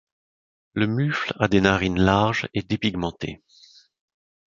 Le mufle a des narines larges et dépigmentées.